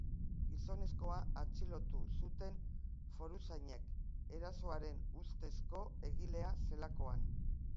Gizonezkoa atxilotu zuten foruzainek, erasoaren ustezko egilea zelakoan.